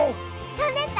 飛んでった！